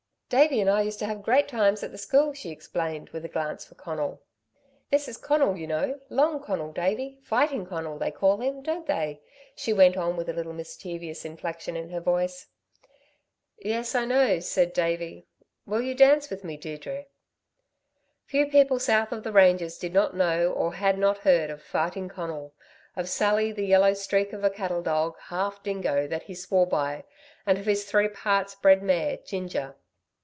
"Davey and I used to have great times at the school," she explained with a glance for Conal. "This is Conal, you know, Long Conal, Davey Fighting Conal they call him, don't they?" she went on with a little mischievous inflection in her voice. "Yes, I know," said Davey. "Will you dance with me, Deirdre?" Few people south of the ranges did not know, or had not heard of Fighting Conal, of Sally, the yellow streak of a cattle dog, half dingo, that he swore by, and of his three parts bred mare, Ginger.